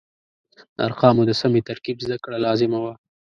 د ارقامو د سمې ترکیب زده کړه لازمه وه.